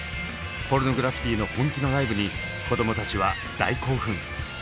ポルノグラフィティの本気のライブに子どもたちは大興奮。